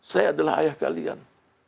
saya adalah ayah kalian